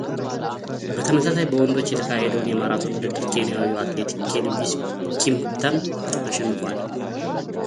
በተመሳሳይ በወንዶች የተካሄደውን የማራቶን ውድድር ኬንያዊው አትሌት ኬልቪስ ኪፕተም አሸንፏል፡፡